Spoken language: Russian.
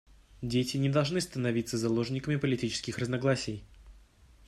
Дети не должны становиться заложниками политических разногласий.